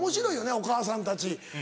お母さんたち